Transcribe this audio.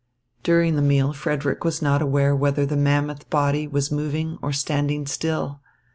During the meal Frederick was not aware whether the mammoth body was moving or standing still.